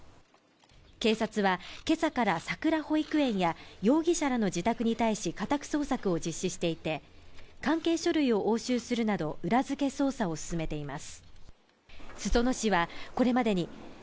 警察は、今朝からさくら保育園や容疑者らの自宅に対し、家宅捜索を実施していて関係書類を押収するなど裏付け捜査を進めています。